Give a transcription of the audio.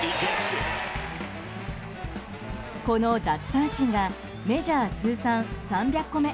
この奪三振がメジャー通算３００個目。